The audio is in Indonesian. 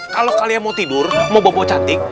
kalau kalian mau tidur mau bawa bawa cantik